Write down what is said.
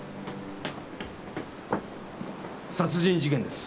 殺人事件です。